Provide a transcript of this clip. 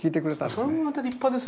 それもまた立派ですね。